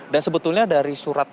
dan sebetulnya dari surat